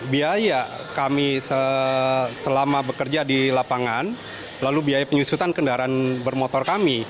biaya kami selama bekerja di lapangan lalu biaya penyusutan kendaraan bermotor kami